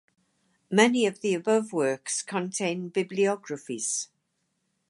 Many of the above works contain bibliographies.